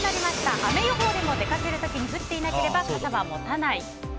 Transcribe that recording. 雨予報でも出かける時に降っていなければ傘は持たない。